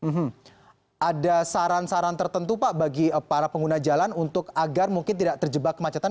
hmm ada saran saran tertentu pak bagi para pengguna jalan untuk agar mungkin tidak terjebak kemacetan